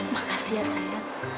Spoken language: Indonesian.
makasih ya sayang